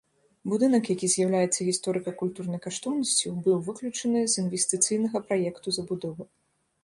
Будынак, які з'яўляецца гісторыка-культурнай каштоўнасцю, быў выключаны з інвестыцыйнага праекту забудовы.